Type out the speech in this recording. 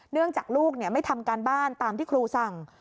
ลูกจากลูกไม่ทำการบ้านตามที่ครูสั่ง